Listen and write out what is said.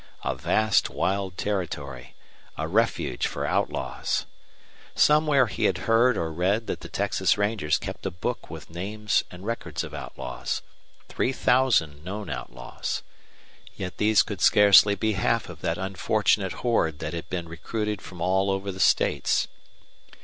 A vast wild territory a refuge for outlaws! Somewhere he had heard or read that the Texas Rangers kept a book with names and records of outlaws three thousand known outlaws. Yet these could scarcely be half of that unfortunate horde which had been recruited from all over the states.